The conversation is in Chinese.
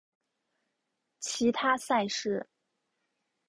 其他赛事